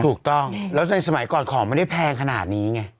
ถูกต้องแล้วในสมัยก่อนของไม่ได้แพงขนาดนี้ไง